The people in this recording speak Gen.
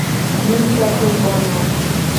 Nyiso ke gbona.